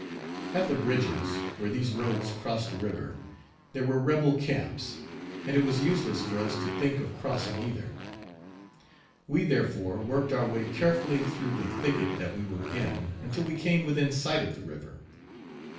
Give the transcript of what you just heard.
At the bridges, where these roads crossed the river, there were rebel camps, and it was useless for us to think of crossing either. We, therefore, worked our way carefully through the thicket that we were in until we came within sight of the river.